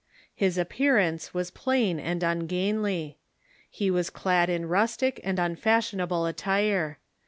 His appearance was plain and ungainly. He was cla 1 in rustic and unfashionable attire.